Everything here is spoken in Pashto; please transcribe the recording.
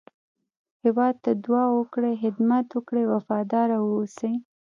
هېواد ته دعا وکړئ، خدمت وکړئ، وفاداره واوسی